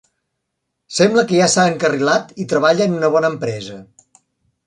Sembla que ja s'ha encarrilat i treballa en una bona empresa.